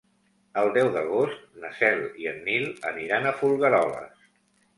El deu d'agost na Cel i en Nil aniran a Folgueroles.